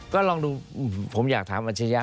ก็ลองดูผมอยากถามอาจารย์ค่ะ